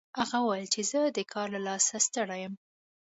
هغه وویل چې زه د کار له لاسه ستړی یم